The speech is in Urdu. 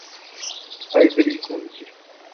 Ivory Coast